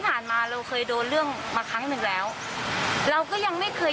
ผ่านมาเราเคยโดนเรื่องมาครั้งหนึ่งแล้วเราก็ยังไม่เคย